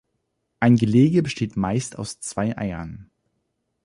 Ein Gelege besteht meist aus zwei Eiern.